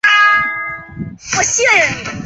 中国国民党向来在乡镇市长选举占有优势。